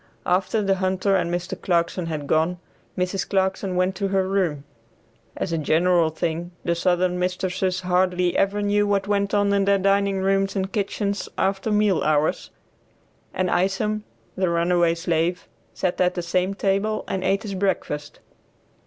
After the hunter and Mr. Clarkson had gone, Mrs. Clarkson went to her room (as a general thing the southern mistresses hardly ever knew what went on in their dining rooms and kitchens after meal hours), and Isom, the runaway slave, sat at the same table and ate his breakfast.